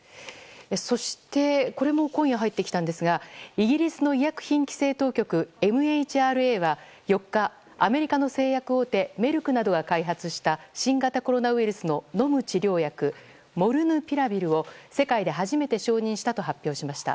そして、これも今夜入ってきたんですがイギリスの医薬品規制当局ＭＨＲＡは４日、アメリカの製薬大手メルクなどが開発した新型コロナウイルスの飲む治療薬モルヌピラビルを世界で初めて承認したと発表しました。